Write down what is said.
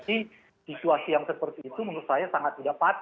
tapi situasi yang seperti itu menurut saya sangat tidak patut